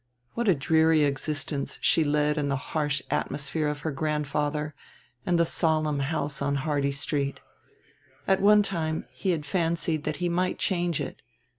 What a dreary existence she led in the harsh atmosphere of her grandfather and the solemn house on Hardy Street! At one time he had fancied that he might change it...